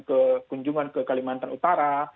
kekunjungan ke kalimantan utara